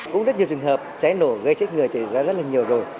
cũng rất nhiều trường hợp cháy nổ gây chết người xảy ra rất là nhiều rồi